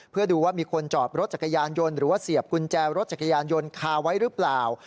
เพื่อดูว่ามีคนจอบรถจักรยานยนต์หรือว่าเสียบกุญแจรถจักรยานยนต์คาไว้หรือเปล่า